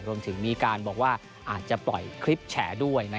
รวมถึงมีการบอกว่าอาจจะปล่อยคลิปแฉด้วย